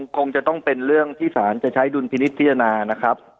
คงจะต้องเป็นเรื่องที่สารจะใช้ดุลพินิษฐพิจารณานะครับ